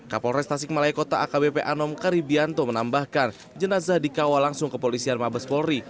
kapolres tasik malaya kota akbp anom karipianto menambahkan jenazah dikawal langsung ke polisian mabes polri